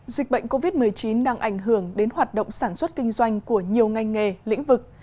dịch bệnh covid một mươi chín đang ảnh hưởng đến hoạt động sản xuất kinh doanh của nhiều ngành nghề lĩnh vực